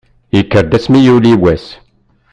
Yekker-d asmi yuli wass.